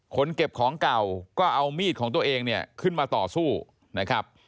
เก็บของเก่าก็เอามีดของตัวเองเนี่ยขึ้นมาต่อสู้นะครับ